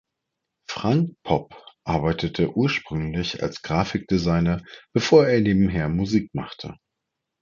Frank Popp arbeitete ursprünglich als Grafikdesigner, bevor er nebenher Musik machte.